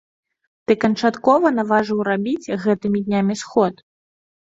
Ты канчаткова наважыў рабіць гэтымі днямі сход?